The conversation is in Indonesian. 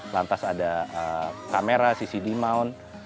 lantas ada kamera ccd mount